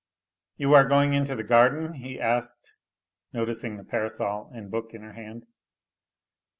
" You are going into the garden t " he asked, noticing the parasol and book in her hand.